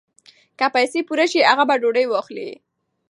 که پیسې پوره شي هغه به ډوډۍ واخلي.